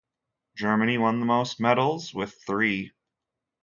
Germany won the most medals, with three.